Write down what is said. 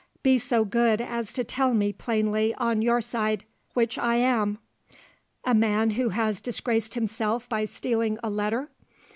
Be so good as to tell me plainly, on your side, which I am a man who has disgraced himself by stealing a letter?